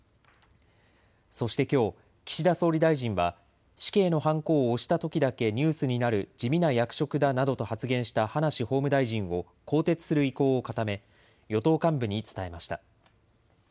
そしてきょう、岸田総理大臣は死刑のはんこを押したときだけニュースになる地味な役職だなどと発言した葉梨法務大臣を更迭する意向を固め与党幹部に伝えました。